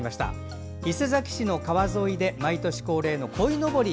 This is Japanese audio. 伊勢崎市の川沿いで毎年恒例のこいのぼり